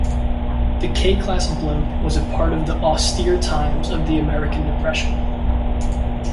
The "K"-class blimp was a product of the austere times of the American depression.